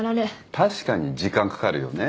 確かに時間かかるよね。